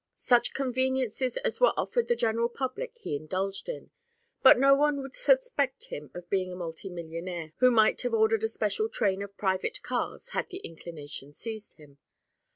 Such conveniences as were offered the general public he indulged in, but no one would suspect him of being a multi millionaire who might have ordered a special train of private cars had the inclination seized him.